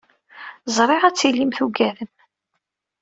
Ẓriɣ ad tilim tugadem.